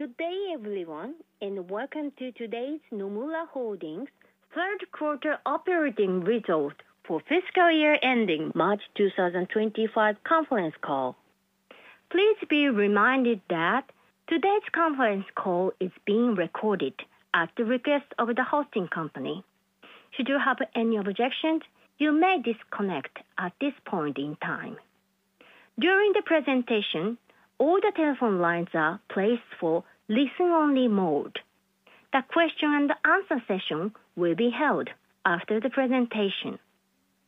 Good day, everyone, and welcome to today's Nomura Holdings' third-quarter operating results for fiscal year-ending March 2025 Conference Call. Please be reminded that today's conference call is being recorded at the request of the hosting company. Should you have any objections, you may disconnect at this point in time. During the presentation, all the telephone lines are placed for listening-only mode. The question-and-answer session will be held after the presentation.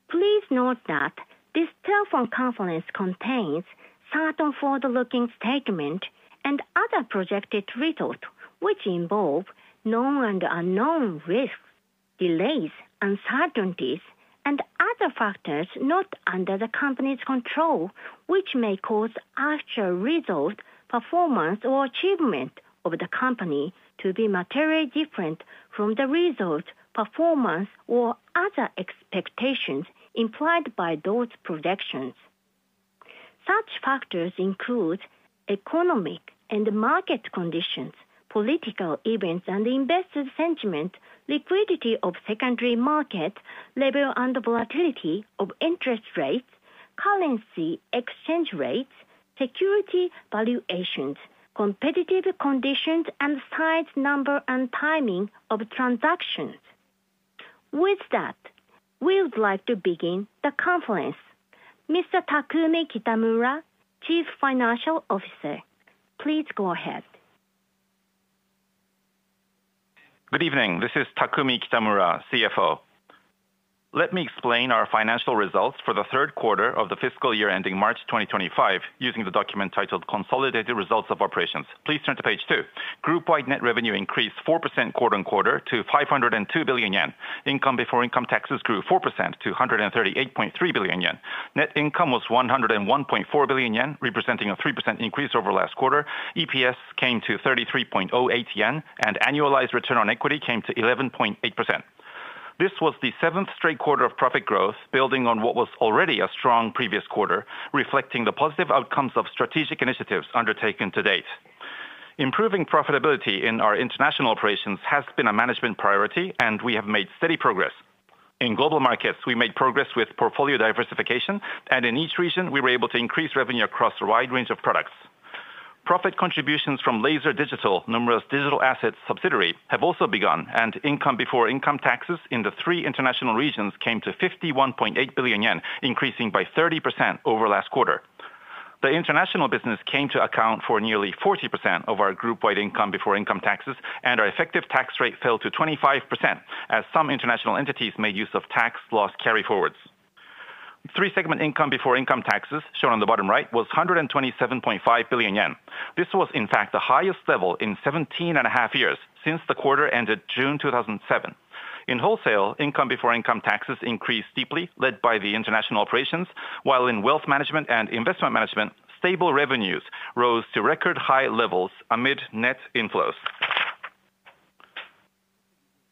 Please note that this telephone conference contains certain forward-looking statements and other projected results which involve known and unknown risks, delays, uncertainties, and other factors not under the company's control, which may cause actual results, performance, or achievement of the company to be materially different from the results, performance, or other expectations implied by those projections. Such factors include economic and market conditions, political events and investor sentiment, liquidity of secondary market level and volatility of interest rates, currency exchange rates, security valuations, competitive conditions, and size, number, and timing of transactions. With that, we would like to begin the conference. Mr. Takumi Kitamura, Chief Financial Officer, please go ahead. Good evening. This is Takumi Kitamura, CFO. Let me explain our financial results for the third quarter of the fiscal year ending March 2025 using the document titled Consolidated Results of Operations. Please turn to page two. Group-wide net revenue increased 4% quarter-on-quarter to 502 billion yen. Income before income taxes grew 4% to 138.3 billion yen. Net income was 101.4 billion yen, representing a 3% increase over last quarter. EPS came to 33.08 yen, and annualized return on equity came to 11.8%. This was the seventh straight quarter of profit growth, building on what was already a strong previous quarter, reflecting the positive outcomes of strategic initiatives undertaken to date. Improving profitability in our international operations has been a management priority, and we have made steady progress. In global markets, we made progress with portfolio diversification, and in each region, we were able to increase revenue across a wide range of products. Profit contributions from Laser Digital, Nomura's digital assets subsidiary have also begun, and income before income taxes in the three international regions came to 51.8 billion yen, increasing by 30% over last quarter. The international business came to account for nearly 40% of our group-wide income before income taxes, and our effective tax rate fell to 25%, as some international entities made use of tax loss carry forwards. Three-segment income before income taxes, shown on the bottom right, was 127.5 billion yen. This was, in fact, the highest level in 17.5 years since the quarter ended June 2007. In wholesale, income before income taxes increased steeply, led by the international operations, while in wealth management and investment management, stable revenues rose to record-high levels amid net inflows.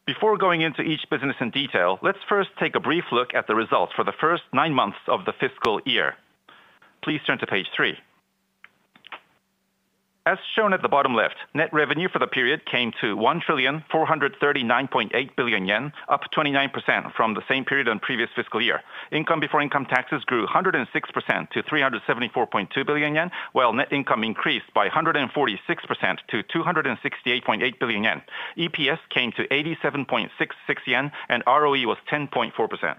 Before going into each business in detail, let's first take a brief look at the results for the first nine months of the fiscal year. Please turn to page three. As shown at the bottom left, net revenue for the period came to 1,439.8 billion yen, up 29% from the same period and previous fiscal year. Income before income taxes grew 106% to 374.2 billion yen, while net income increased by 146% to 268.8 billion yen. EPS came to 87.66 yen, and ROE was 10.4%.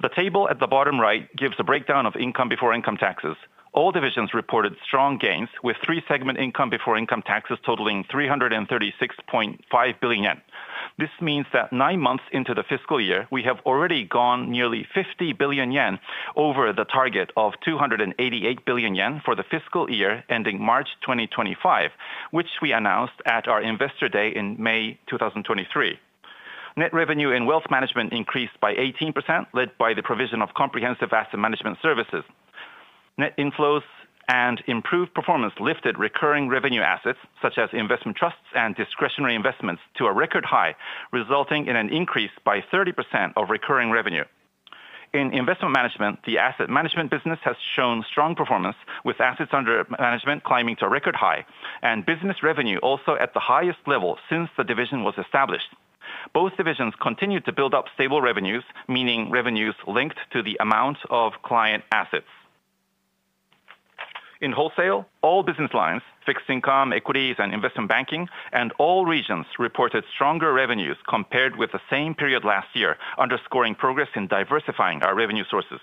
The table at the bottom right gives a breakdown of income before income taxes. All divisions reported strong gains, with three-segment income before income taxes totaling 336.5 billion yen. This means that nine months into the fiscal year, we have already gone nearly 50 billion yen over the target of 288 billion yen for the fiscal year ending March 2025, which we announced at our Investor Day in May 2023. Net revenue in wealth management increased by 18%, led by the provision of comprehensive asset management services. Net inflows and improved performance lifted recurring revenue assets, such as investment trusts and discretionary investments, to a record high, resulting in an increase by 30% of recurring revenue. In investment management, the asset management business has shown strong performance, with assets under management climbing to a record high, and business revenue also at the highest level since the division was established. Both divisions continued to build up stable revenues, meaning revenues linked to the amount of client assets. In wholesale, all business lines (fixed income, equities, and investment banking) and all regions reported stronger revenues compared with the same period last year, underscoring progress in diversifying our revenue sources.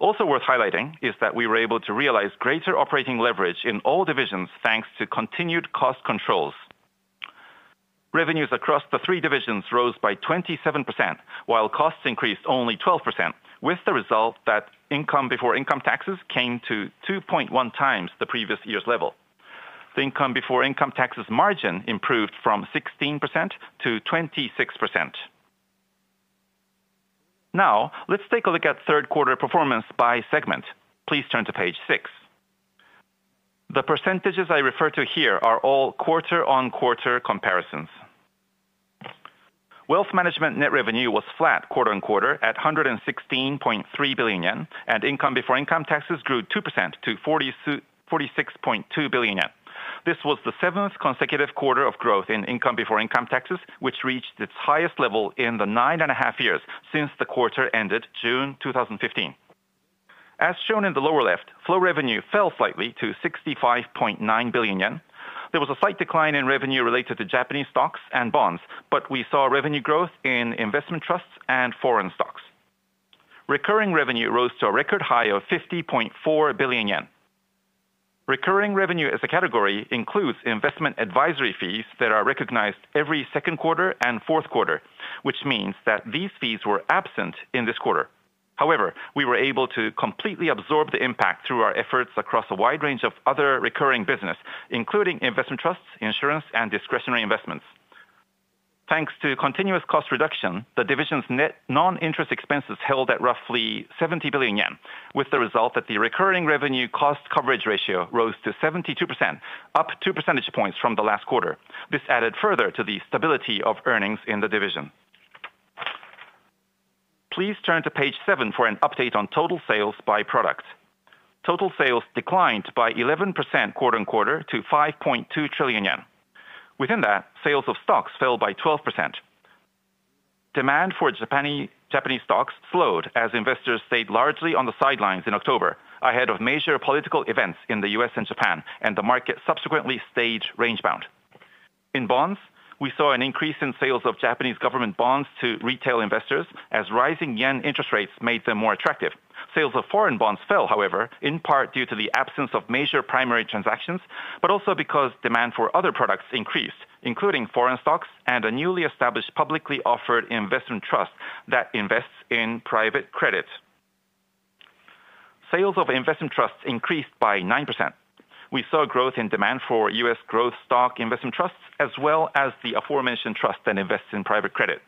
Also worth highlighting is that we were able to realize greater operating leverage in all divisions thanks to continued cost controls. Revenues across the three divisions rose by 27%, while costs increased only 12%, with the result that income before income taxes came to 2.1 times the previous year's level. The income before income taxes margin improved from 16% to 26%. Now, let's take a look at third-quarter performance by segment. Please turn to page six. The percentages I refer to here are all quarter-on-quarter comparisons. Wealth management net revenue was flat quarter-on-quarter at ¥116.3 billion, and income before income taxes grew 2% to ¥46.2 billion. This was the seventh consecutive quarter of growth in income before income taxes, which reached its highest level in the nine and a half years since the quarter ended June 2015. As shown in the lower left, flow revenue fell slightly to ¥65.9 billion. There was a slight decline in revenue related to Japanese stocks and bonds, but we saw revenue growth in investment trusts and foreign stocks. Recurring revenue rose to a record high of 50.4 billion yen. Recurring revenue as a category includes investment advisory fees that are recognized every second quarter and fourth quarter, which means that these fees were absent in this quarter. However, we were able to completely absorb the impact through our efforts across a wide range of other recurring business, including investment trusts, insurance, and discretionary investments. Thanks to continuous cost reduction, the division's net non-interest expenses held at roughly 70 billion yen, with the result that the recurring revenue cost coverage ratio rose to 72%, up 2 percentage points from the last quarter. This added further to the stability of earnings in the division. Please turn to page seven for an update on total sales by product. Total sales declined by 11% quarter-on-quarter to 5.2 trillion yen. Within that, sales of stocks fell by 12%. Demand for Japanese stocks slowed as investors stayed largely on the sidelines in October, ahead of major political events in the U.S. and Japan, and the market subsequently stayed range-bound. In bonds, we saw an increase in sales of Japanese government bonds to retail investors as rising yen interest rates made them more attractive. Sales of foreign bonds fell, however, in part due to the absence of major primary transactions, but also because demand for other products increased, including foreign stocks and a newly established publicly offered investment trust that invests in private credit. Sales of investment trusts increased by 9%. We saw growth in demand for U.S. growth stock investment trusts, as well as the aforementioned trust that invests in private credit.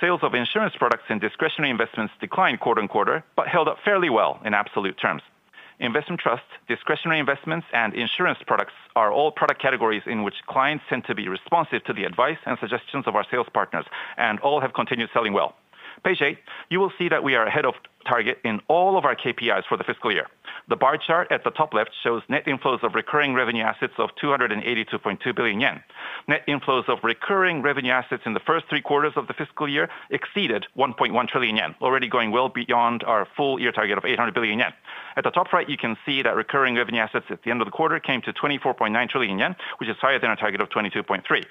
Sales of insurance products and discretionary investments declined quarter-on-quarter, but held up fairly well in absolute terms. Investment trusts, discretionary investments, and insurance products are all product categories in which clients tend to be responsive to the advice and suggestions of our sales partners, and all have continued selling well. Page eight, you will see that we are ahead of target in all of our KPIs for the fiscal year. The bar chart at the top left shows net inflows of recurring revenue assets of 282.2 billion yen. Net inflows of recurring revenue assets in the first three quarters of the fiscal year exceeded 1.1 trillion yen, already going well beyond our full year target of 800 billion yen. At the top right, you can see that recurring revenue assets at the end of the quarter came to 24.9 trillion yen, which is higher than our target of 22.3.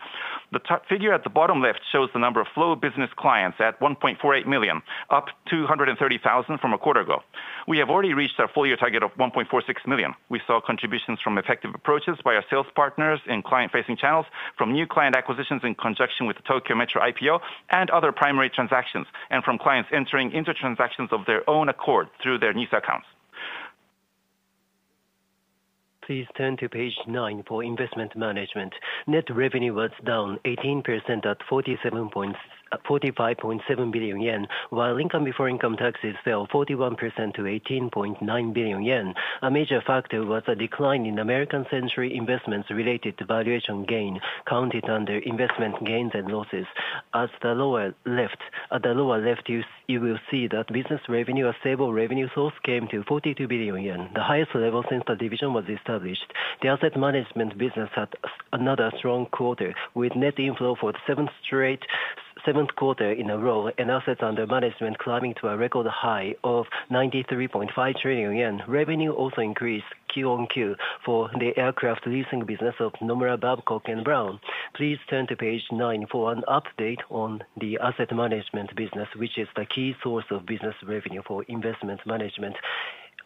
The figure at the bottom left shows the number of flow business clients at 1.48 million, up 230,000 from a quarter ago. We have already reached our full year target of 1.46 million. We saw contributions from effective approaches by our sales partners in client-facing channels, from new client acquisitions in conjunction with the Tokyo Metro IPO and other primary transactions, and from clients entering inter-transactions of their own accord through their NISA accounts. Please turn to page nine for investment management. Net revenue was down 18% at 47.7 billion yen, while income before income taxes fell 41% to 18.9 billion yen. A major factor was a decline in American Century Investments-related valuation gain counted under investment gains and losses. At the lower left, you will see that business revenue, a stable revenue source, came to 42 billion yen, the highest level since the division was established. The asset management business had another strong quarter, with net inflow for the seventh quarter in a row and assets under management climbing to a record high of 93.5 trillion yen. Revenue also increased Q on Q for the aircraft leasing business of Nomura Babcock and Brown. Please turn to page nine for an update on the asset management business, which is the key source of business revenue for investment management.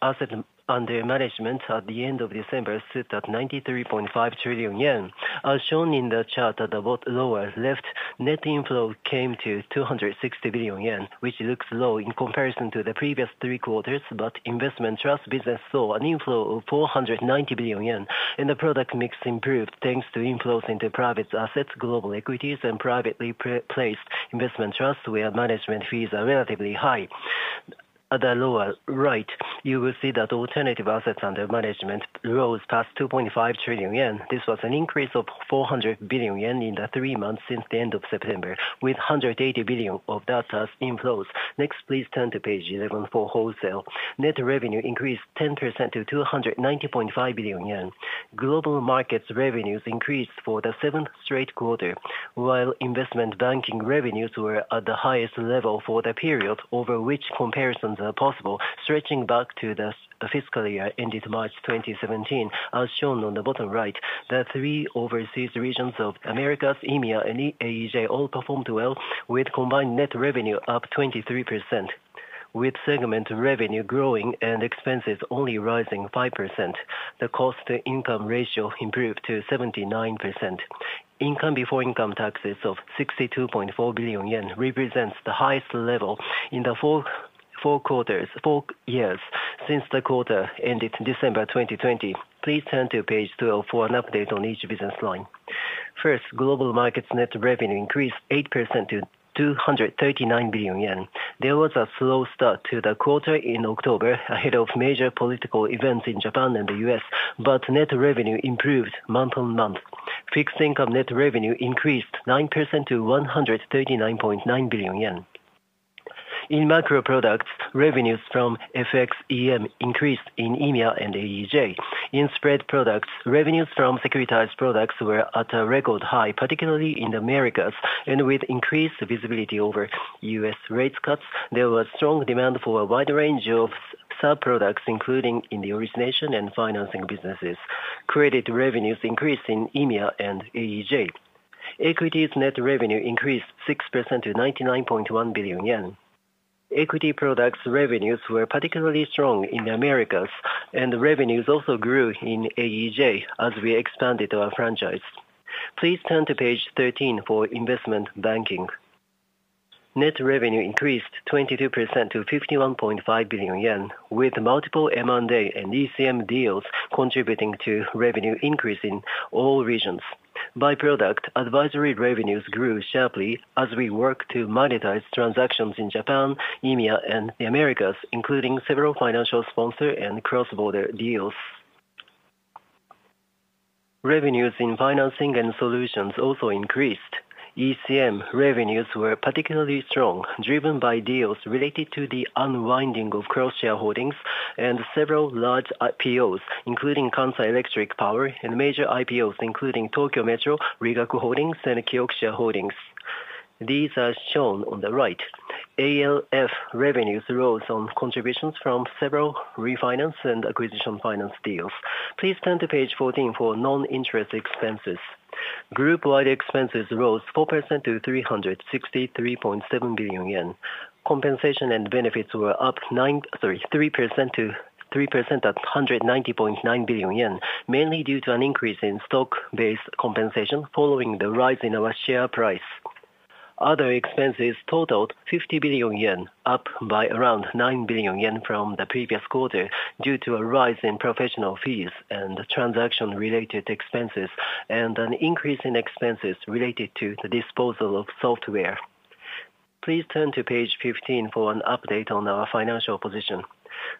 Assets under management at the end of December stood at 93.5 trillion yen, as shown in the chart at the lower left. Net inflow came to 260 billion yen, which looks low in comparison to the previous three quarters, but investment trust business saw an inflow of 490 billion yen, and the product mix improved thanks to inflows into private assets, global equities, and privately placed investment trusts where management fees are relatively high. At the lower right, you will see that alternative assets under management rose past 2.5 trillion yen. This was an increase of 400 billion yen in the three months since the end of September, with 180 billion of that as inflows. Next, please turn to page 11 for wholesale. Net revenue increased 10% to 290.5 billion yen. Global Markets revenues increased for the seventh straight quarter, while Investment Banking revenues were at the highest level for the period over which comparisons are possible, stretching back to the fiscal year ended March 2017, as shown on the bottom right. The three overseas regions of Americas, EMEA, and AEJ all performed well, with combined net revenue up 23%, with segment revenue growing and expenses only rising 5%. The cost-to-income ratio improved to 79%. Income before income taxes of 62.4 billion yen represents the highest level in the four quarters, four years since the quarter ended December 2020. Please turn to page 12 for an update on each business line. First, Global Markets net revenue increased 8% to 239 billion yen. There was a slow start to the quarter in October ahead of major political events in Japan and the U.S., but net revenue improved month on month. Fixed income net revenue increased 9% to 139.9 billion yen. In macro products, revenues from FXEM increased in EMEA and AEJ. In spread products, revenues from securitized products were at a record high, particularly in the Americas, and with increased visibility over US rate cuts, there was strong demand for a wide range of sub-products, including in the origination and financing businesses. Credit revenues increased in EMEA and AEJ. Equities net revenue increased 6% to 99.1 billion yen. Equity products revenues were particularly strong in the Americas, and revenues also grew in AEJ as we expanded our franchise. Please turn to page 13 for investment banking. Net revenue increased 22% to 51.5 billion yen, with multiple M&A and ECM deals contributing to revenue increase in all regions. By product, advisory revenues grew sharply as we worked to monetize transactions in Japan, EMEA, and the Americas, including several financial sponsor and cross-border deals. Revenues in financing and solutions also increased. ECM revenues were particularly strong, driven by deals related to the unwinding of cross-shareholdings and several large IPOs, including Kansai Electric Power, and major IPOs including Tokyo Metro, Rigaku Holdings, and Kioxia Holdings. These are shown on the right. ALF revenues rose on contributions from several refinance and acquisition finance deals. Please turn to page 14 for non-interest expenses. Group-wide expenses rose 4% to 363.7 billion yen. Compensation and benefits were up 3% to 390.9 billion yen, mainly due to an increase in stock-based compensation following the rise in our share price. Other expenses totaled 50 billion yen, up by around 9 billion yen from the previous quarter due to a rise in professional fees and transaction-related expenses, and an increase in expenses related to the disposal of software. Please turn to page 15 for an update on our financial position.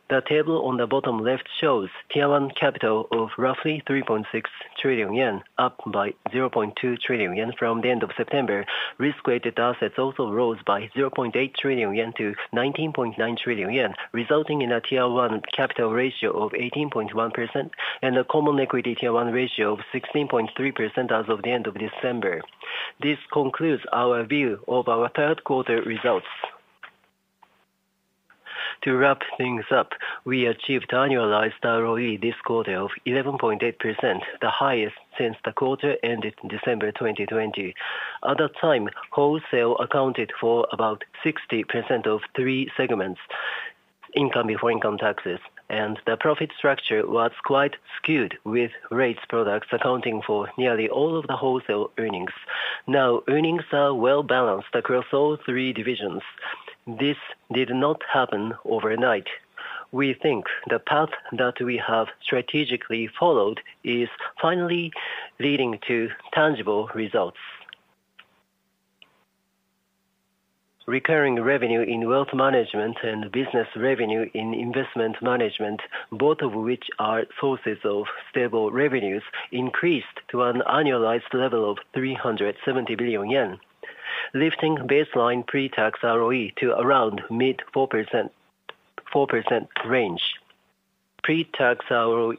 The table on the bottom left shows Tier 1 capital of roughly 3.6 trillion yen, up by 0.2 trillion yen from the end of September. Risk-weighted assets also rose by 0.8 trillion yen to 19.9 trillion yen, resulting in a Tier 1 capital ratio of 18.1% and a Common Equity Tier 1 ratio of 16.3% as of the end of December. This concludes our view of our third-quarter results. To wrap things up, we achieved annualized ROE this quarter of 11.8%, the highest since the quarter ended December 2020. At that time, wholesale accounted for about 60% of three segments: income before income taxes, and the profit structure was quite skewed, with rates products accounting for nearly all of the wholesale earnings. Now, earnings are well-balanced across all three divisions. This did not happen overnight. We think the path that we have strategically followed is finally leading to tangible results. Recurring revenue in wealth management and business revenue in investment management, both of which are sources of stable revenues, increased to an annualized level of 370 billion yen, lifting baseline pre-tax ROE to around mid-4% range. Pre-tax ROE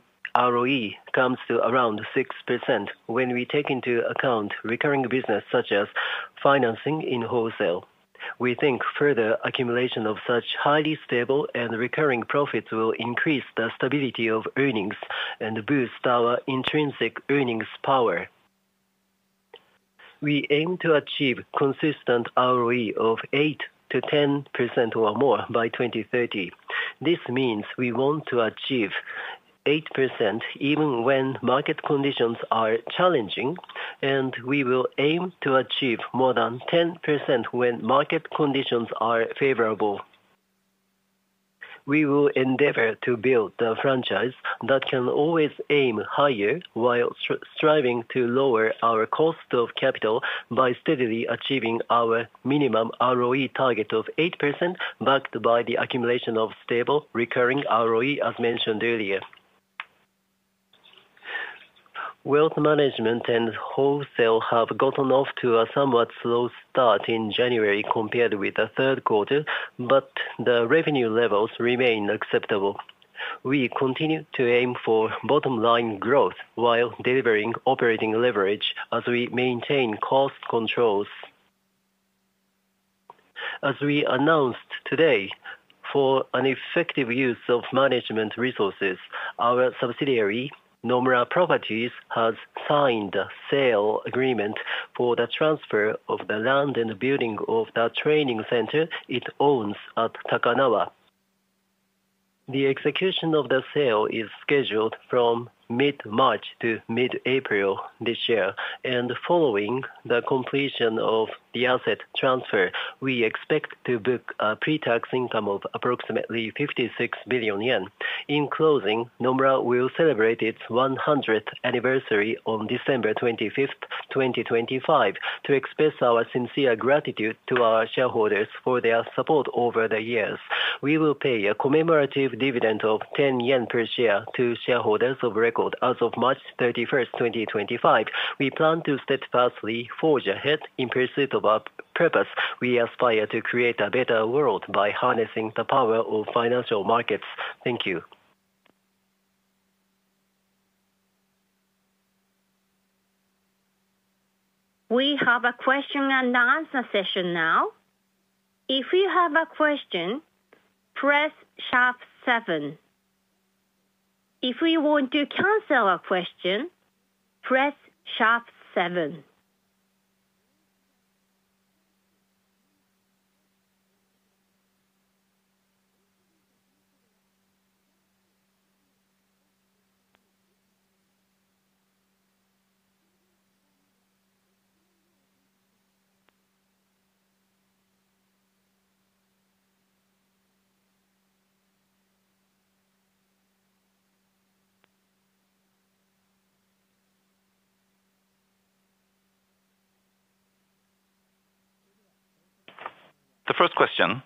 comes to around 6% when we take into account recurring business such as financing in wholesale. We think further accumulation of such highly stable and recurring profits will increase the stability of earnings and boost our intrinsic earnings power. We aim to achieve consistent ROE of 8% to 10% or more by 2030. This means we want to achieve 8% even when market conditions are challenging, and we will aim to achieve more than 10% when market conditions are favorable. We will endeavor to build a franchise that can always aim higher while striving to lower our cost of capital by steadily achieving our minimum ROE target of 8%, backed by the accumulation of stable recurring ROE, as mentioned earlier. Wealth management and wholesale have gotten off to a somewhat slow start in January compared with the third quarter, but the revenue levels remain acceptable. We continue to aim for bottom-line growth while delivering operating leverage as we maintain cost controls. As we announced today, for an effective use of management resources, our subsidiary, Nomura Properties, has signed a sale agreement for the transfer of the land and building of the training center it owns at Takanawa. The execution of the sale is scheduled from mid-March to mid-April this year, and following the completion of the asset transfer, we expect to book a pre-tax income of approximately 56 billion yen. In closing, Nomura will celebrate its 100th anniversary on December 25, 2025, to express our sincere gratitude to our shareholders for their support over the years. We will pay a commemorative dividend of 10 yen per share to shareholders of record as of March 31, 2025. We plan to steadfastly forge ahead in pursuit of our purpose. We aspire to create a better world by harnessing the power of financial markets. Thank you. We have a question-and-answer session now. If you have a question, press hash seven. If you want to cancel a question, press hash seven. The first question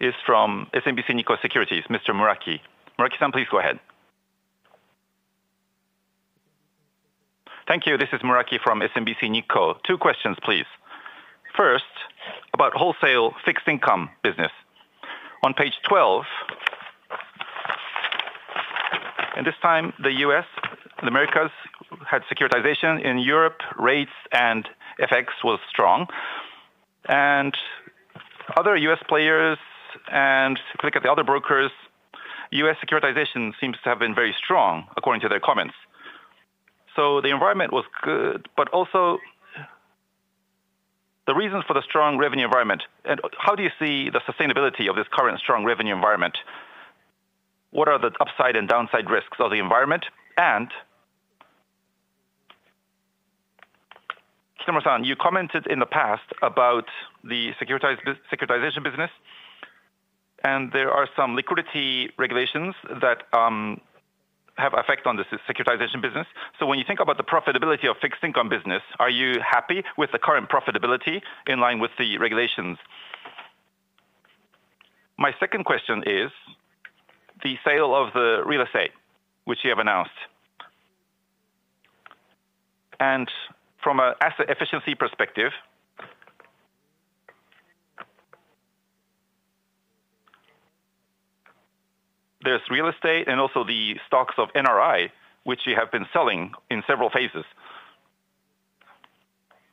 is from SMBC Nikko Securities, Mr. Muraki. Muraki, please go ahead. Thank you. This is Muraki from SMBC Nikko. Two questions, please. First, about wholesale fixed income business. On page 12, at this time, the US, the Americas had securitization in Europe. Rates and FX was strong. And other U.S. players, and if you look at the other brokers, U.S. securitization seems to have been very strong, according to their comments. So the environment was good, but also the reasons for the strong revenue environment. And how do you see the sustainability of this current strong revenue environment? What are the upside and downside risks of the environment? And Mr. Tsujino, you commented in the past about the securitization business, and there are some liquidity regulations that have an effect on the securitization business. So when you think about the profitability of fixed income business, are you happy with the current profitability in line with the regulations? My second question is the sale of the real estate, which you have announced. And from an asset efficiency perspective, there's real estate and also the stocks of NRI, which you have been selling in several phases.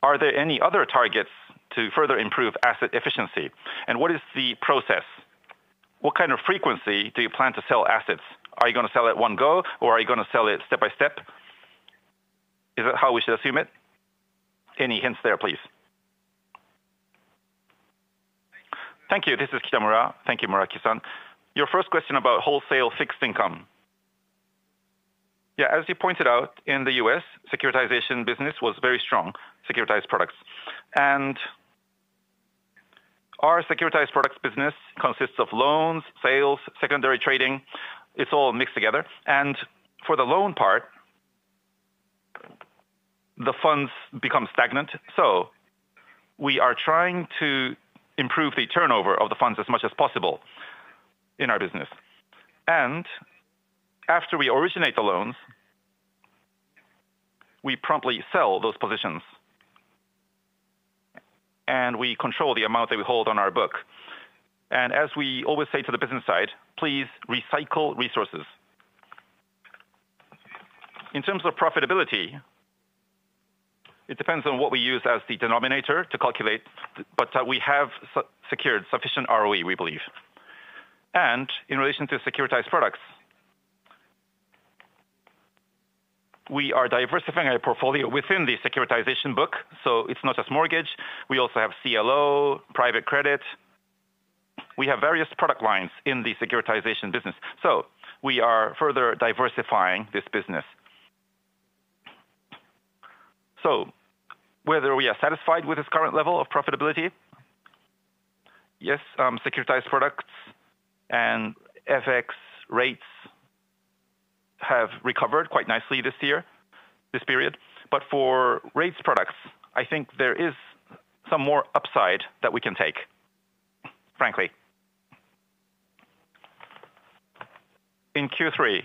Are there any other targets to further improve asset efficiency? And what is the process? What kind of frequency do you plan to sell assets? Are you going to sell it one go, or are you going to sell it step by step? Is that how we should assume it? Any hints there, please? Thank you. This is Kitamura. Thank you, Muraki. Your first question about wholesale fixed income. Yeah, as you pointed out, in the U.S., securitization business was very strong, securitized products. And our securitized products business consists of loans, sales, secondary trading. It's all mixed together. And for the loan part, the funds become stagnant. So we are trying to improve the turnover of the funds as much as possible in our business. And after we originate the loans, we promptly sell those positions, and we control the amount that we hold on our book. As we always say to the business side, please recycle resources. In terms of profitability, it depends on what we use as the denominator to calculate, but we have secured sufficient ROE, we believe. In relation to securitized products, we are diversifying our portfolio within the securitization book. It's not just mortgage. We also have CLO, private credit. We have various product lines in the securitization business. We are further diversifying this business. Whether we are satisfied with this current level of profitability, yes, securitized products and FX rates have recovered quite nicely this year, this period. For rates products, I think there is some more upside that we can take, frankly. In Q3,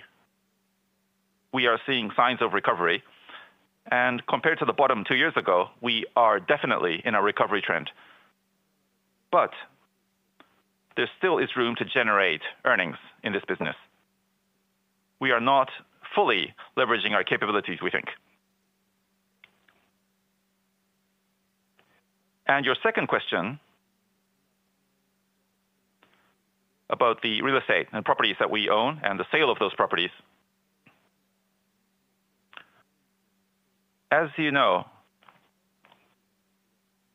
we are seeing signs of recovery. Compared to the bottom two years ago, we are definitely in a recovery trend. But there still is room to generate earnings in this business. We are not fully leveraging our capabilities, we think. And your second question about the real estate and properties that we own and the sale of those properties. As you know,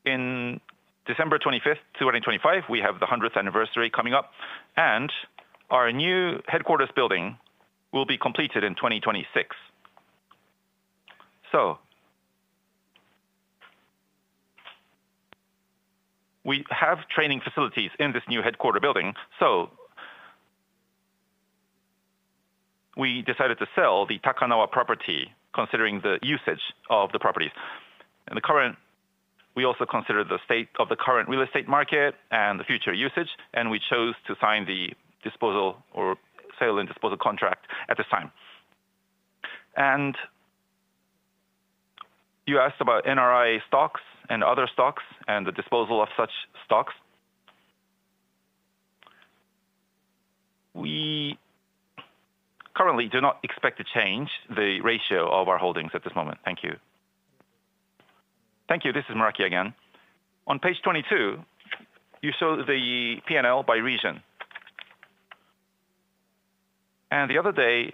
in December 25, 2025, we have the 100th anniversary coming up, and our new headquarters building will be completed in 2026. So we have training facilities in this new headquarters building. So we decided to sell the Takanawa property, considering the usage of the properties. And the current. We also consider the state of the current real estate market and the future usage, and we chose to sign the disposal or sale and disposal contract at this time. And you asked about NRI stocks and other stocks and the disposal of such stocks. We currently do not expect to change the ratio of our holdings at this moment. Thank you. Thank you. This is Muraki again. On page 22, you show the P&L by region. And the other day,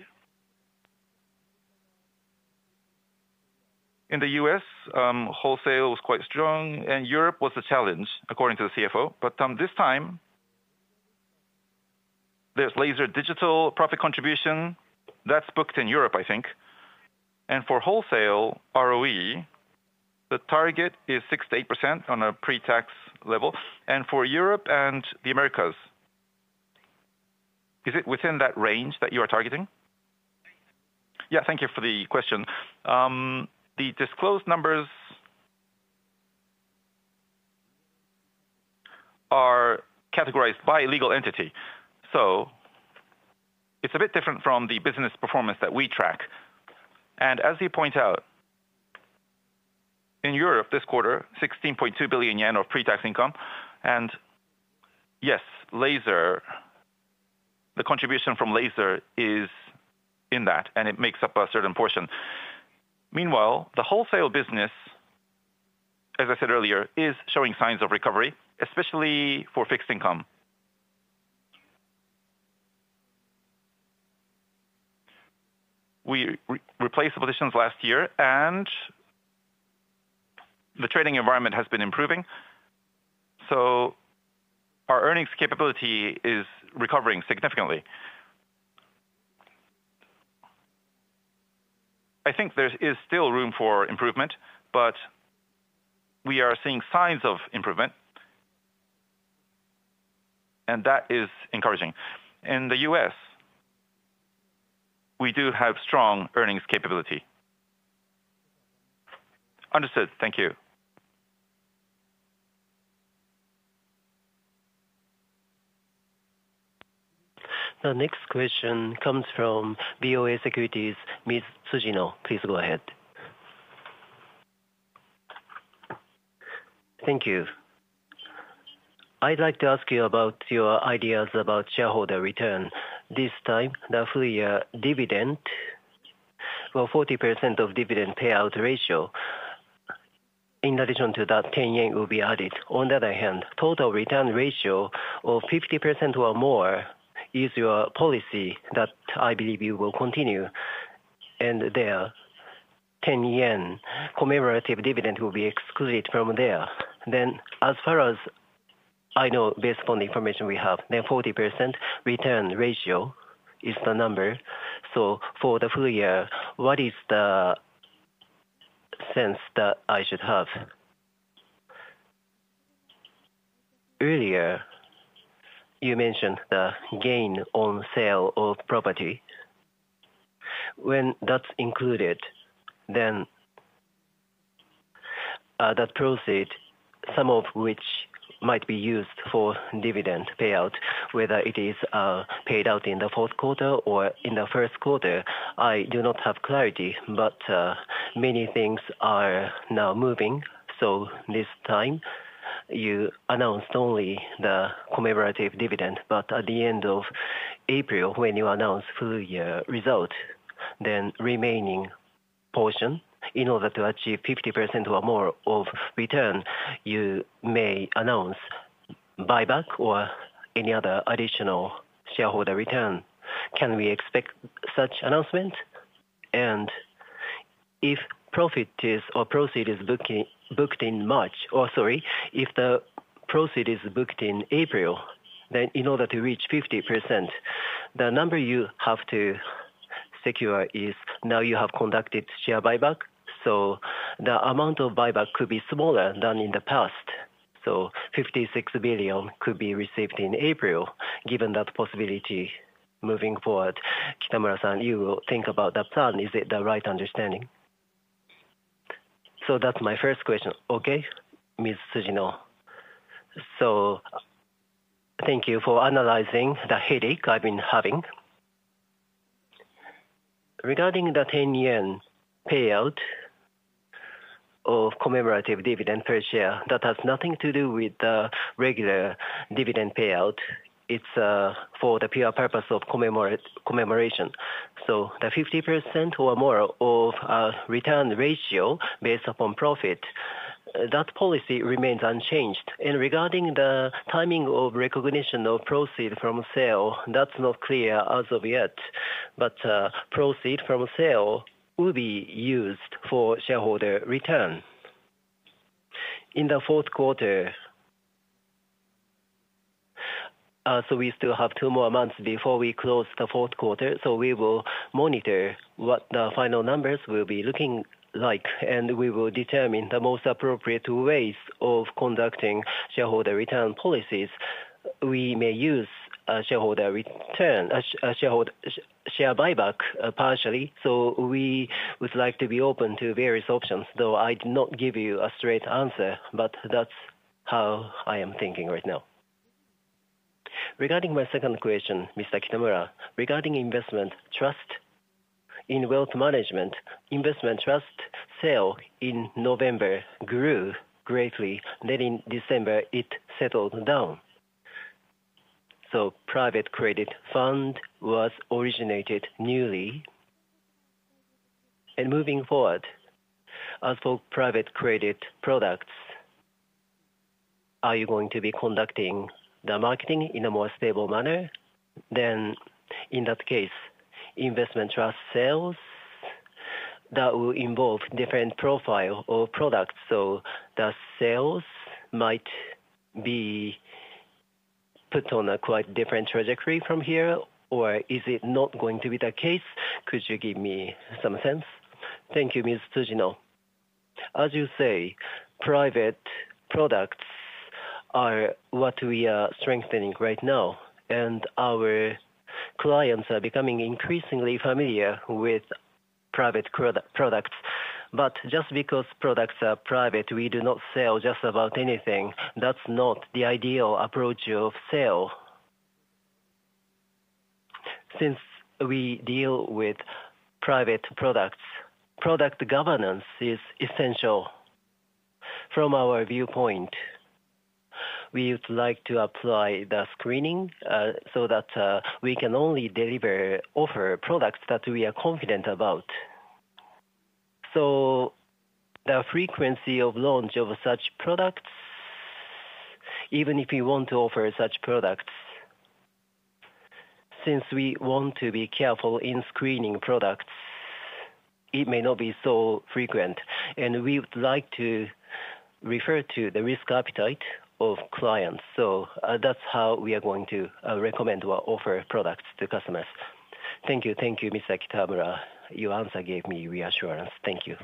in the U.S., wholesale was quite strong, and Europe was a challenge, according to the CFO. But this time, there's Laser Digital profit contribution. That's booked in Europe, I think. And for wholesale ROE, the target is 6%-8% on a pre-tax level. And for Europe and the Americas, is it within that range that you are targeting? Yeah, thank you for the question. The disclosed numbers are categorized by legal entity. So it's a bit different from the business performance that we track. And as you point out, in Europe this quarter, 16.2 billion yen of pre-tax income. And yes, Laser Digital, the contribution from Laser Digital is in that, and it makes up a certain portion. Meanwhile, the wholesale business, as I said earlier, is showing signs of recovery, especially for fixed income. We replaced the positions last year, and the trading environment has been improving. So our earnings capability is recovering significantly. I think there is still room for improvement, but we are seeing signs of improvement, and that is encouraging. In the U.S., we do have strong earnings capability. Understood. Thank you. The next question comes from BofA Securities, Ms. Tsujino. Please go ahead. Thank you. I'd like to ask you about your ideas about shareholder return. This time, the full year dividend, well, 40% of dividend payout ratio. In addition to that, 10 yen will be added. On the other hand, total return ratio of 50% or more is your policy that I believe you will continue. And there, 10 yen commemorative dividend will be excluded from there. Then, as far as I know, based upon the information we have, then 40% return ratio is the number. So for the full year, what is the sense that I should have? Earlier, you mentioned the gain on sale of property. When that's included, then that proceeds, some of which might be used for dividend payout, whether it is paid out in the fourth quarter or in the first quarter. I do not have clarity, but many things are now moving. So this time, you announced only the commemorative dividend, but at the end of April, when you announce full year result, then remaining portion, in order to achieve 50% or more of return, you may announce buyback or any other additional shareholder return. Can we expect such announcement? If profit is or proceeds are booked in March, or sorry, if the proceeds are booked in April, then in order to reach 50%, the number you have to secure is. Now you have conducted share buyback. So the amount of buyback could be smaller than in the past. So 56 billion could be received in April, given that possibility moving forward. Kitamura-san, you will think about that plan. Is it the right understanding? So that's my first question. Okay, Ms. Tsujino. So thank you for analyzing the headache I've been having. Regarding the 10 yen payout of commemorative dividend per share, that has nothing to do with the regular dividend payout. It's for the pure purpose of commemoration. So the 50% or more of return ratio based upon profit, that policy remains unchanged. And regarding the timing of recognition of proceeds from sale, that's not clear as of yet. Proceeds from sale will be used for shareholder return in the fourth quarter. We still have two more months before we close the fourth quarter. We will monitor what the final numbers will be looking like, and we will determine the most appropriate ways of conducting shareholder return policies. We may use shareholder return, share buyback partially. We would like to be open to various options, though I did not give you a straight answer, but that's how I am thinking right now. Regarding my second question, Mr. Kitamura, regarding investment trust in wealth management, investment trust sale in November grew greatly, then in December, it settled down. Private credit fund was originated newly. Moving forward, as for private credit products, are you going to be conducting the marketing in a more stable manner? In that case, investment trust sales that will involve a different profile of products. So the sales might be put on a quite different trajectory from here, or is it not going to be the case? Could you give me some sense? Thank you, Ms. Tsujino. As you say, private products are what we are strengthening right now, and our clients are becoming increasingly familiar with private products. But just because products are private, we do not sell just about anything. That's not the ideal approach of sale. Since we deal with private products, product governance is essential. From our viewpoint, we would like to apply the screening so that we can only deliver or offer products that we are confident about. So the frequency of launch of such products, even if we want to offer such products, since we want to be careful in screening products, it may not be so frequent, and we would like to refer to the risk appetite of clients, so that's how we are going to recommend or offer products to customers. Thank you. Thank you, Mr. Kitamura. Your answer gave me reassurance. Thank you.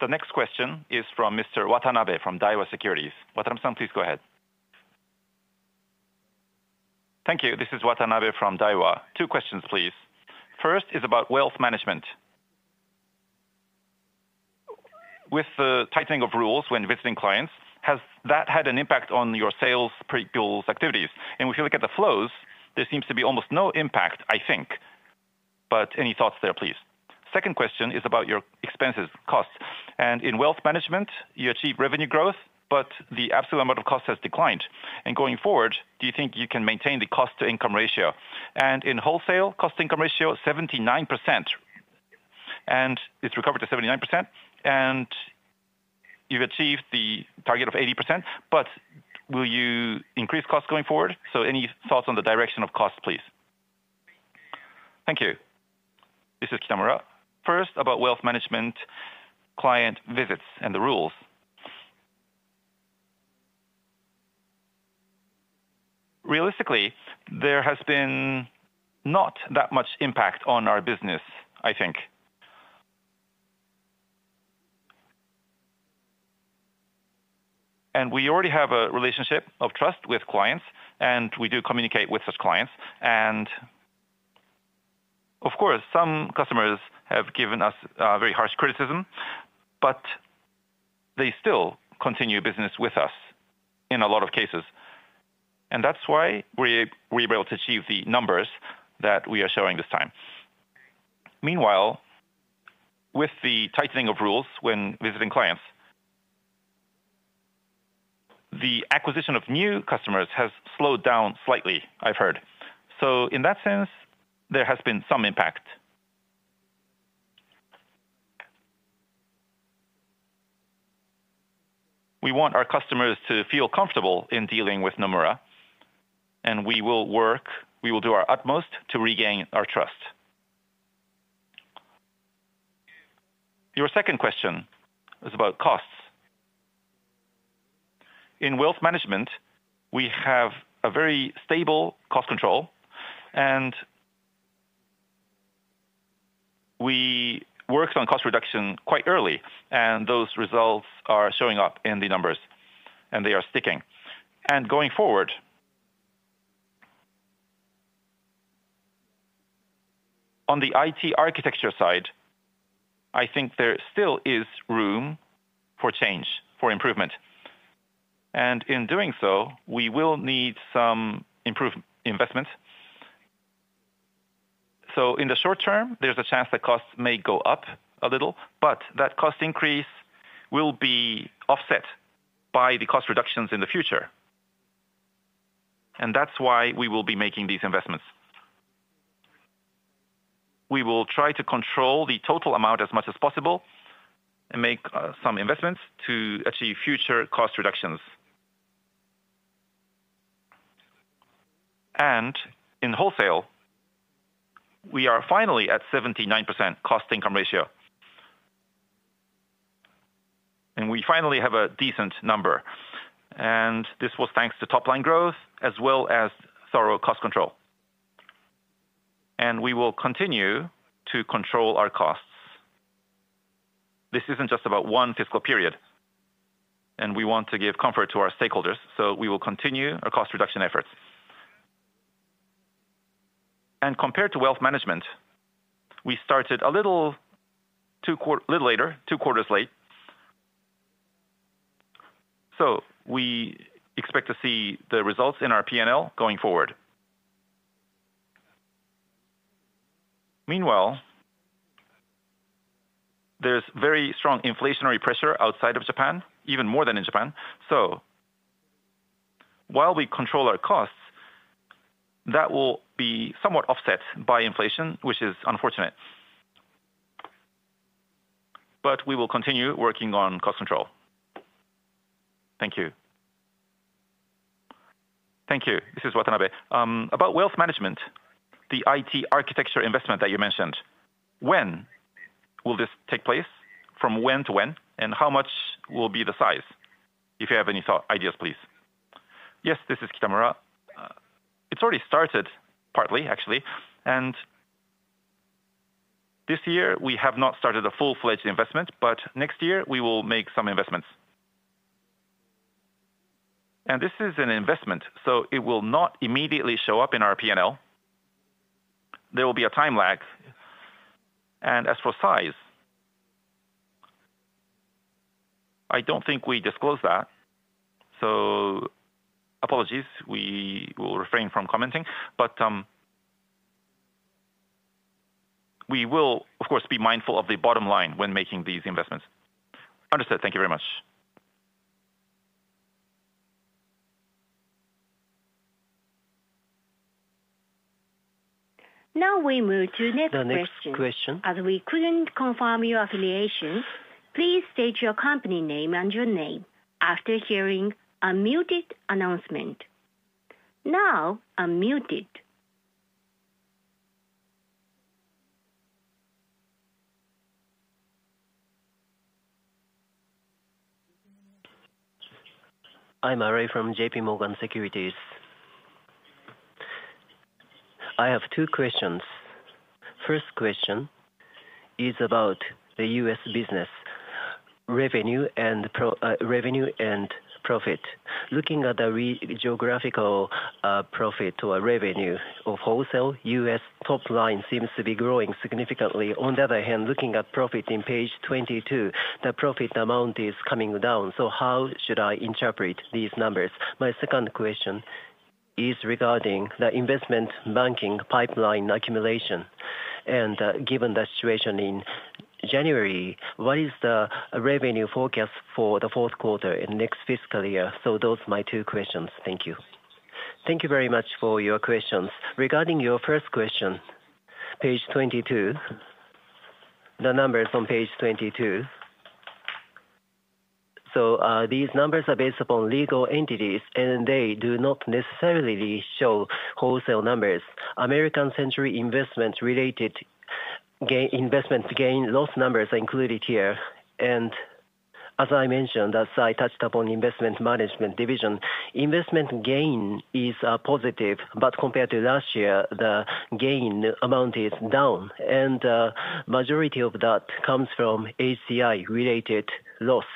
The next question is from Mr. Watanabe from Daiwa Securities. Watanabe-san, please go ahead. Thank you. This is Watanabe from Daiwa. Two questions, please. First is about wealth management. With the tightening of rules when visiting clients, has that had an impact on your sales pre-goals activities?, and if you look at the flows, there seems to be almost no impact, I think, but any thoughts there, please? Second question is about your expenses, costs. In Wealth Management, you achieve revenue growth, but the absolute amount of cost has declined. Going forward, do you think you can maintain the cost-to-income ratio? In wholesale, cost-to-income ratio 79%. It's recovered to 79%. You've achieved the target of 80%, but will you increase costs going forward? Any thoughts on the direction of costs, please? Thank you. This is Kitamura. First, about Wealth Management client visits and the rules. Realistically, there has been not that much impact on our business, I think. We already have a relationship of trust with clients, and we do communicate with such clients. Of course, some customers have given us very harsh criticism, but they still continue business with us in a lot of cases. That's why we were able to achieve the numbers that we are showing this time. Meanwhile, with the tightening of rules when visiting clients, the acquisition of new customers has slowed down slightly, I've heard. So in that sense, there has been some impact. We want our customers to feel comfortable in dealing with Nomura, and we will work, we will do our utmost to regain our trust. Your second question is about costs. In wealth management, we have a very stable cost control, and we worked on cost reduction quite early, and those results are showing up in the numbers, and they are sticking. And going forward, on the IT architecture side, I think there still is room for change, for improvement. And in doing so, we will need some investment. So in the short term, there's a chance that costs may go up a little, but that cost increase will be offset by the cost reductions in the future. And that's why we will be making these investments. We will try to control the total amount as much as possible and make some investments to achieve future cost reductions. And in wholesale, we are finally at 79% cost-to-income ratio. And we finally have a decent number. And this was thanks to top-line growth as well as thorough cost control. And we will continue to control our costs. This isn't just about one fiscal period, and we want to give comfort to our stakeholders, so we will continue our cost reduction efforts. And compared to wealth management, we started a little later, two quarters late. So we expect to see the results in our P&L going forward. Meanwhile, there's very strong inflationary pressure outside of Japan, even more than in Japan. So while we control our costs, that will be somewhat offset by inflation, which is unfortunate. But we will continue working on cost control. Thank you. Thank you. This is Watanabe. About wealth management, the IT architecture investment that you mentioned, when will this take place, from when to when, and how much will be the size? If you have any ideas, please. Yes, this is Kitamura. It's already started partly, actually. And this year, we have not started a full-fledged investment, but next year, we will make some investments. And this is an investment, so it will not immediately show up in our P&L. There will be a time lag. And as for size, I don't think we disclose that. So apologies, we will refrain from commenting. But we will, of course, be mindful of the bottom line when making these investments. Understood. Thank you very much. Now we move to the next question. As we couldn't confirm your affiliation, please state your company name and your name after hearing a muted announcement. Now unmuted. I'm Arai from JPMorgan Securities. I have two questions. First question is about the US business revenue and profit. Looking at the geographical profit or revenue of wholesale, US top line seems to be growing significantly. On the other hand, looking at profit in page 22, the profit amount is coming down. So how should I interpret these numbers? My second question is regarding the investment banking pipeline accumulation. And given the situation in January, what is the revenue forecast for the fourth quarter and next fiscal year? So those are my two questions. Thank you. Thank you very much for your questions. Regarding your first question, page 22, the numbers on page 22. These numbers are based upon legal entities, and they do not necessarily show wholesale numbers. American Century Investments-related investment gain loss numbers are included here. As I mentioned, as I touched upon investment management division, investment gain is positive, but compared to last year, the gain amount is down. The majority of that comes from ACI-related loss.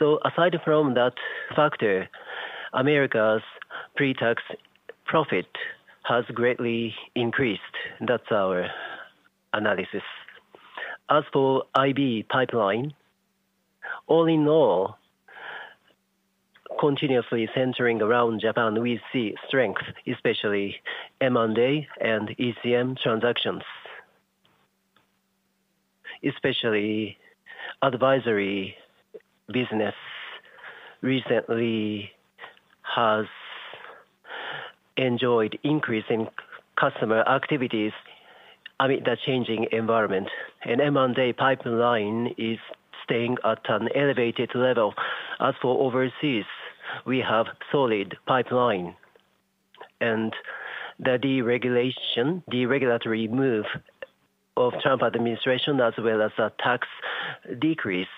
Aside from that factor, Americas' pre-tax profit has greatly increased. That's our analysis. As for IB pipeline, all in all, continuously centering around Japan, we see strength, especially M&A and ECM transactions. Advisory business recently has enjoyed increasing customer activities amid the changing environment. M&A pipeline is staying at an elevated level. As for overseas, we have solid pipeline. The deregulatory move of Trump administration, as well as the tax decrease,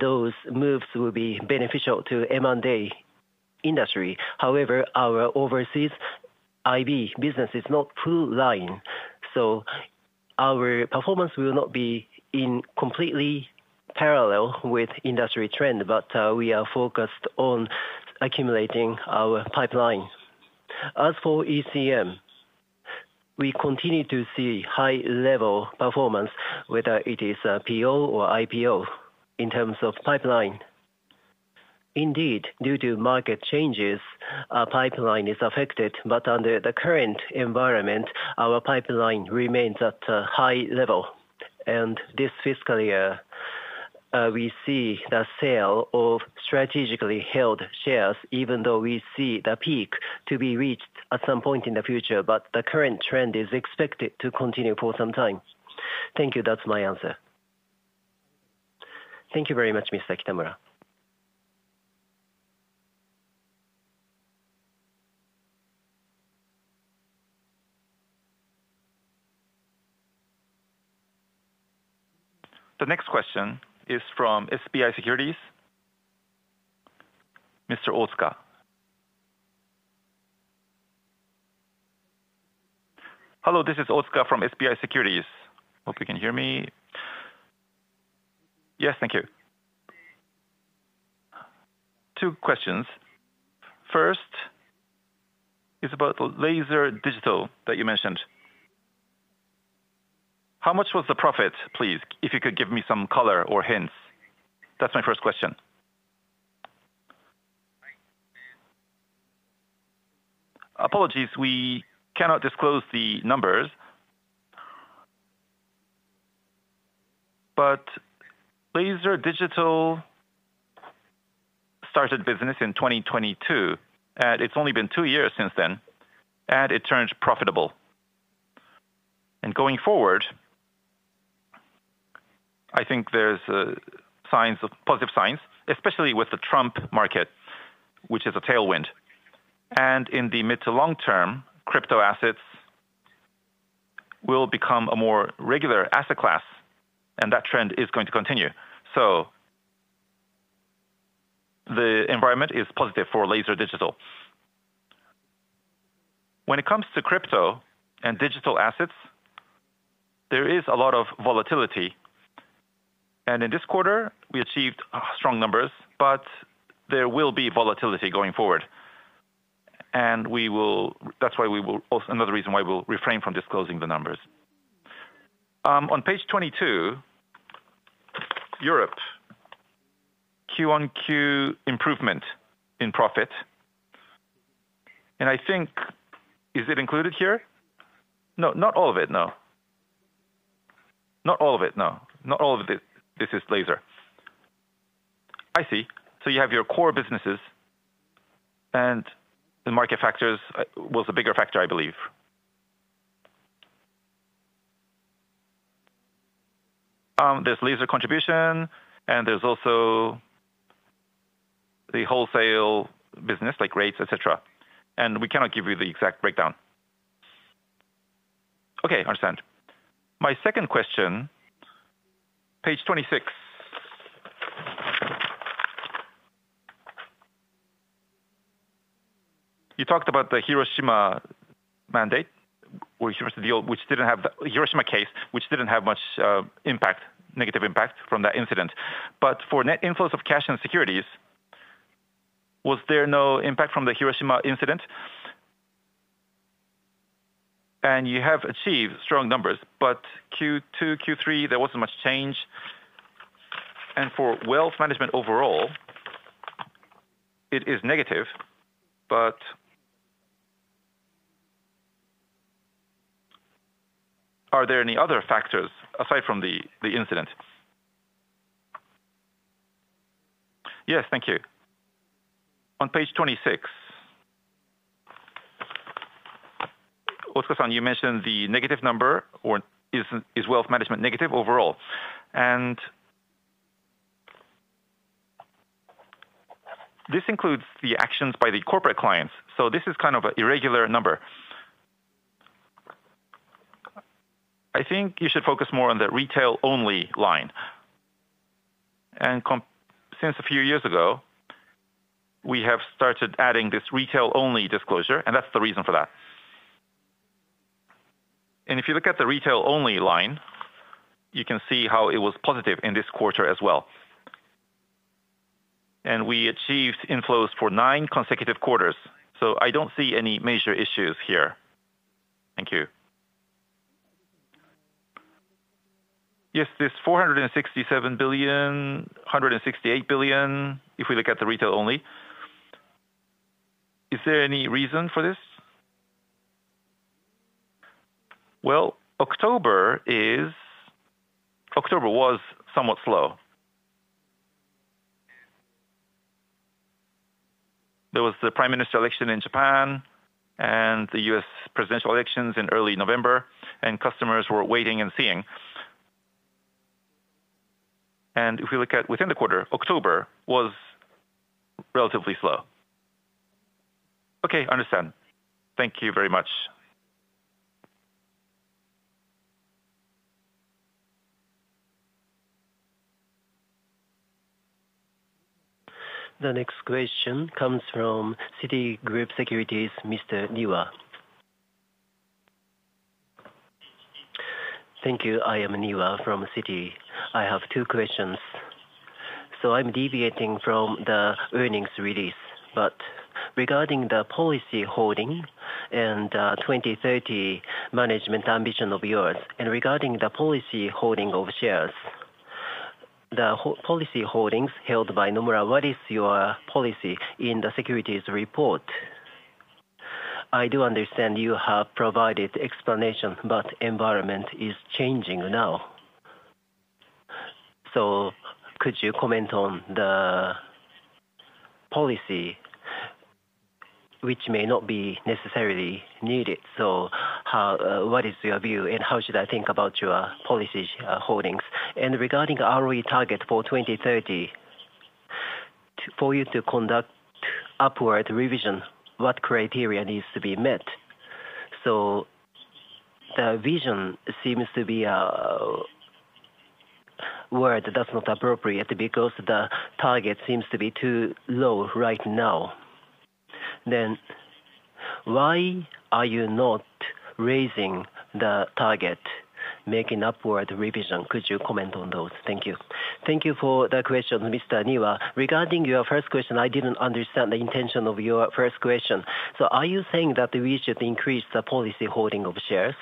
those moves will be beneficial to M&A industry. However, our overseas IB business is not full-line. So our performance will not be in completely parallel with industry trend, but we are focused on accumulating our pipeline. As for ECM, we continue to see high-level performance, whether it is PO or IPO, in terms of pipeline. Indeed, due to market changes, our pipeline is affected, but under the current environment, our pipeline remains at a high level and this fiscal year, we see the sale of strategically held shares, even though we see the peak to be reached at some point in the future, but the current trend is expected to continue for some time. Thank you. That's my answer. Thank you very much, Mr. Kitamura. The next question is from SBI Securities, Mr. Otsuka. Hello, this is Otsuka from SBI Securities. Hope you can hear me. Yes, thank you. Two questions. First is about the Laser Digital that you mentioned. How much was the profit, please, if you could give me some color or hints? That's my first question. Apologies, we cannot disclose the numbers, but Laser Digital started business in 2022, and it's only been two years since then, and it turned profitable. And going forward, I think there's positive signs, especially with the Trump market, which is a tailwind. And in the mid to long term, crypto assets will become a more regular asset class, and that trend is going to continue. So the environment is positive for Laser Digital. When it comes to crypto and digital assets, there is a lot of volatility. And in this quarter, we achieved strong numbers, but there will be volatility going forward. And that's why we will, another reason why we'll refrain from disclosing the numbers. On page 22, Europe, Q1Q improvement in profit. And I think, is it included here? No, not all of it, no. Not all of it, no. Not all of this is Laser. I see. So you have your core businesses, and the market factors was a bigger factor, I believe. There's Laser contribution, and there's also the wholesale business, like rates, etc. And we cannot give you the exact breakdown. Okay, understand. My second question, page 26. You talked about the Hiroshima matter, which didn't have the Hiroshima case, which didn't have much impact, negative impact from that incident. But for net inflows of cash and securities, was there no impact from the Hiroshima incident? And you have achieved strong numbers, but Q2, Q3, there wasn't much change. And for wealth management overall, it is negative, but are there any other factors aside from the incident? Yes, thank you. On page 26, Otsuka-san, you mentioned the negative number, or is Wealth Management negative overall. And this includes the actions by the corporate clients. So this is kind of an irregular number. I think you should focus more on the retail-only line. And since a few years ago, we have started adding this retail-only disclosure, and that's the reason for that. And if you look at the retail-only line, you can see how it was positive in this quarter as well. And we achieved inflows for nine consecutive quarters. So I don't see any major issues here. Thank you. Yes, this 467 billion, 168 billion, if we look at the retail-only, is there any reason for this? Well, October was somewhat slow. There was the Prime Minister election in Japan and the U.S. presidential elections in early November, and customers were waiting and seeing. If we look at within the quarter, October was relatively slow. Okay, understand. Thank you very much. The next question comes from Citigroup Securities, Mr. Niwa. Thank you. I am Niwa from Citigroup. I have two questions. I'm deviating from the earnings release, but regarding the policy holding and the 2030 management ambition of yours, and regarding the policy holding of shares, the policy holdings held by Nomura, what is your policy in the securities report? I do understand you have provided explanation, but the environment is changing now. Could you comment on the policy, which may not be necessarily needed? What is your view, and how should I think about your policy holdings? Regarding the ROE target for 2030, for you to conduct upward revision, what criteria needs to be met? So the vision seems to be a word that's not appropriate because the target seems to be too low right now. Then why are you not raising the target, making upward revision? Could you comment on those? Thank you. Thank you for the question, Mr. Niwa. Regarding your first question, I didn't understand the intention of your first question. So are you saying that we should increase the policy holding of shares?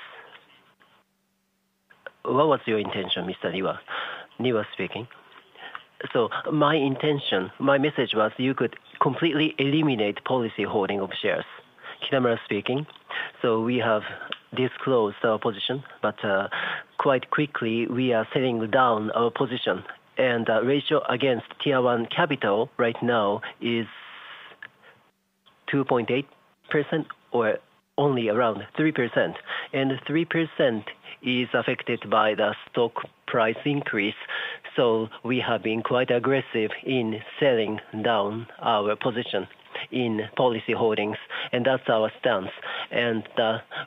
What was your intention, Mr. Niwa? Niwa speaking. So my intention, my message was you could completely eliminate policy holding of shares. Kitamura speaking. So we have disclosed our position, but quite quickly, we are selling down our position. And the ratio against Tier 1 capital right now is 2.8% or only around 3%. And 3% is affected by the stock price increase. We have been quite aggressive in selling down our position in policy shareholdings, and that's our stance. And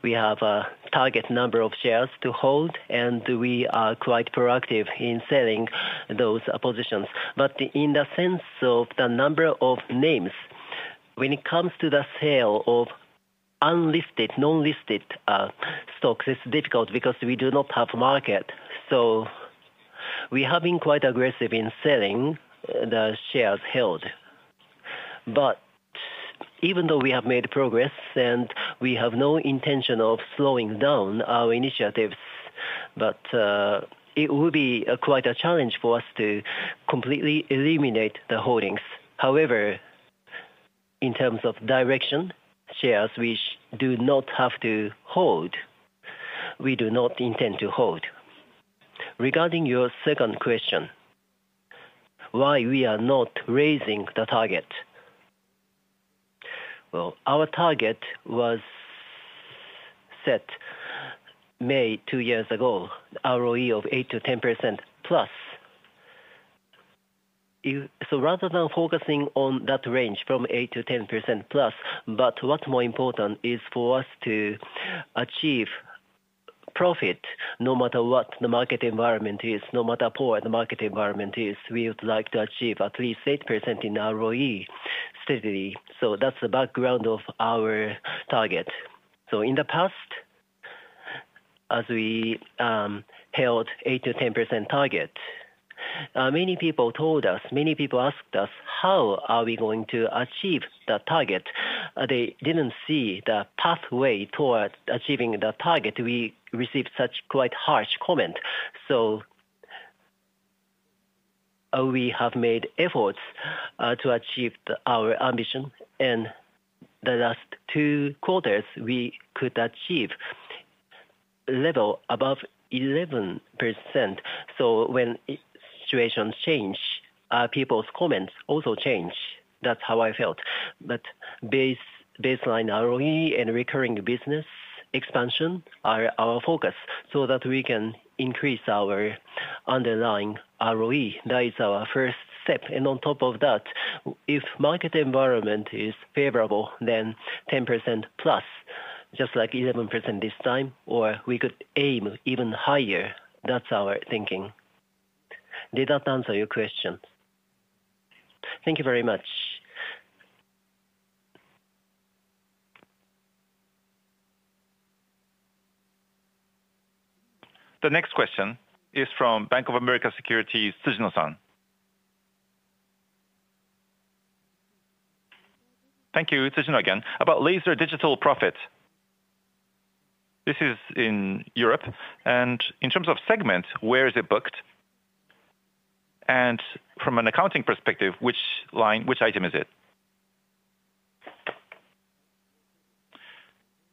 we have a target number of shares to hold, and we are quite proactive in selling those positions. But in the sense of the number of names, when it comes to the sale of unlisted, non-listed stocks, it's difficult because we do not have market. So we have been quite aggressive in selling the shares held. But even though we have made progress and we have no intention of slowing down our initiatives, it will be quite a challenge for us to completely eliminate the holdings. However, in terms of direction, shares which do not have to hold, we do not intend to hold. Regarding your second question, why we are not raising the target? Well, our target was set May, two years ago, ROE of 8%-10%+. Rather than focusing on that range from 8%-10% +, what's more important is for us to achieve profit no matter what the market environment is, no matter how the market environment is. We would like to achieve at least 8% in ROE steadily. That's the background of our target. In the past, as we held 8%-10% target, many people told us, many people asked us, how are we going to achieve the target? They didn't see the pathway toward achieving the target. We received such quite harsh comment. We have made efforts to achieve our ambition, and the last two quarters, we could achieve level above 11%. When situations change, people's comments also change. That's how I felt. Baseline ROE and recurring business expansion are our focus so that we can increase our underlying ROE. That is our first step. And on top of that, if market environment is favorable, then 10% +, just like 11% this time, or we could aim even higher. That's our thinking. Did that answer your question? Thank you very much. The next question is from Bank of America Securities, Tsujino-san. Thank you, Tsujino again. About Laser Digital profit, this is in Europe. And in terms of segment, where is it booked? And from an accounting perspective, which line, which item is it?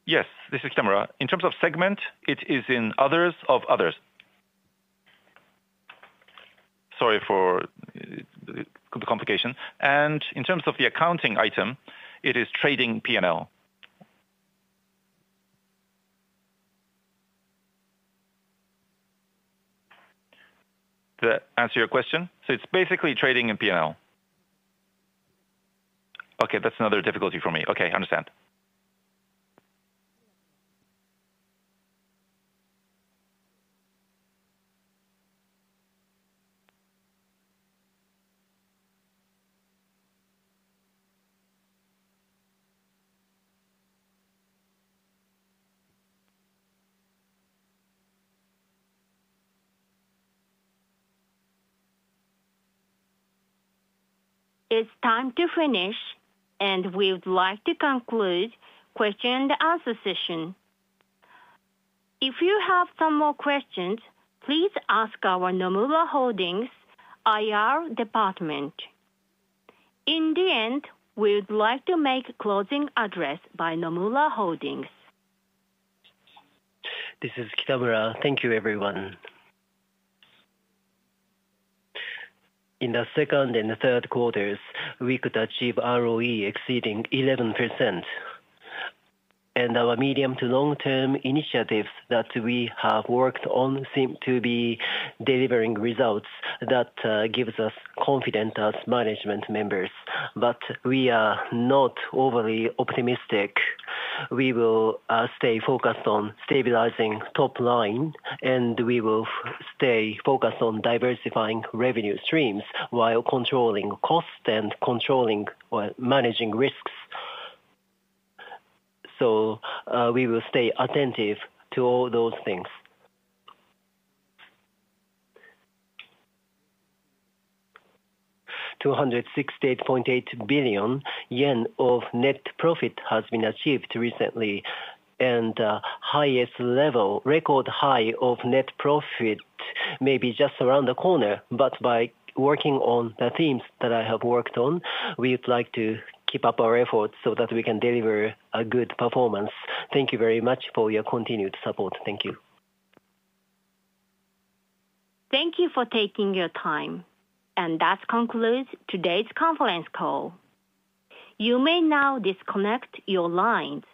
Yes, this is Kitamura. In terms of segment, it is in others of others. Sorry for the complication. And in terms of the accounting item, it is trading P&L. The answer to your question? So it's basically trading and P&L. Okay, that's another difficulty for me. Okay, understand. It's time to finish, and we would like to conclude question-and-answer session. If you have some more questions, please ask our Nomura Holdings IR department. In the end, we would like to make a closing address by Nomura Holdings. This is Kitamura. Thank you, everyone. In the second and third quarters, we could achieve ROE exceeding 11%. And our medium to long-term initiatives that we have worked on seem to be delivering results that give us confidence as management members. But we are not overly optimistic. We will stay focused on stabilizing top line, and we will stay focused on diversifying revenue streams while controlling costs and managing risks. So we will stay attentive to all those things. 268.8 billion yen of net profit has been achieved recently, and the highest level, record high of net profit, may be just around the corner. But by working on the themes that I have worked on, we would like to keep up our efforts so that we can deliver a good performance. Thank you very much for your continued support. Thank you. Thank you for taking your time. And that concludes today's conference call. You may now disconnect your lines.